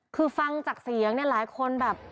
คือฟังจากเสียงเนี่ยหลายคนแบบ